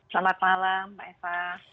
selamat malam mbak eva